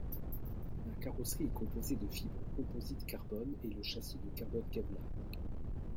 La carrosserie est composée de fibre composite carbone et le châssis de carbone Kevlar.